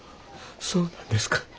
そうなんですか。